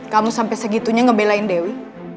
kamu sampai segitunya ngebelain dewi